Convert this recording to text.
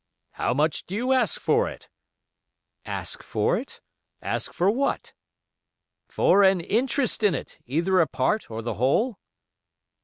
"How much do you ask for it?" "'Ask for it?' Ask for what?" "For an interest in it, either a part or the whole?"